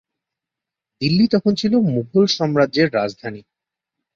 দিল্লী ছিল তখন মুঘল সাম্রাজ্যের রাজধানী।